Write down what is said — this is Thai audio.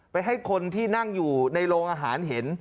ให้คนที่นั่งอยู่ในโรงอาหารเห็น